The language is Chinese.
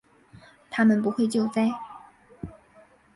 他们不会救灾